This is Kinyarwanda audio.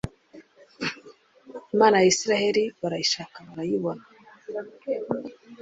Imana ya Isirayeli barayishaka barayibona